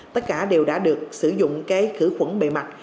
tất cả đều đã được sử dụng cái khử khuẩn bề mặt